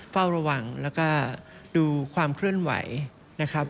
เฝ้าระวังแล้วก็ดูความเคลื่อนไหวนะครับ